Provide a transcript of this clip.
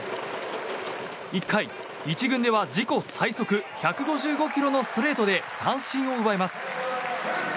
１回、１軍では自己最速１５５キロのストレートで三振を奪います。